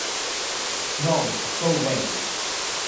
Non, estou ben.